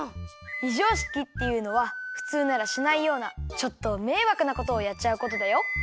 ひじょうしきっていうのはふつうならしないようなちょっとめいわくなことをやっちゃうことだよ。